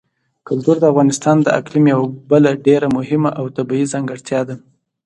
کلتور د افغانستان د اقلیم یوه بله ډېره مهمه او طبیعي ځانګړتیا ده.